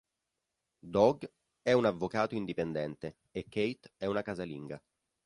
Doug è un avvocato indipendente e Kate è una casalinga.